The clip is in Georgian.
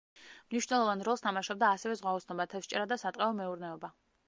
მნიშვნელოვან როლს თამაშობდა ასევე ზღვაოსნობა, თევზჭერა და სატყეო მეურნეობა.